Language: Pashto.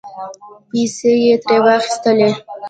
پیسې یې ترې واخستلې